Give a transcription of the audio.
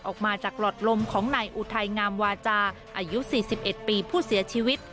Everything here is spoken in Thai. ออกมาจากหลอดลมของนายอุทัยงามวาจาอายุ๔๑ปีผู้เสียชีวิต